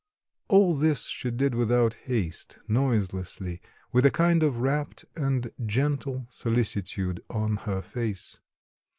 All this she did without haste, noiselessly, with a kind of rapt and gentle solicitude on her face.